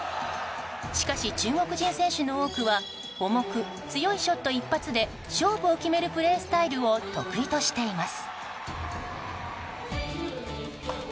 しかし、中国人選手の多くは重く強いショット一発で勝負を決めるプレースタイルを得意としています。